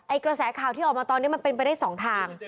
กระแสข่าวที่ออกมาตอนนี้มันเป็นไปได้สองทาง